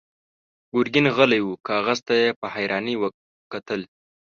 ګرګين غلی و، کاغذ ته يې په حيرانۍ کتل.